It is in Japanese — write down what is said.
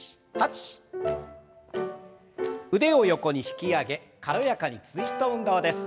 腕を横に引き上げ軽やかにツイスト運動です。